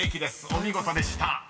お見事でした］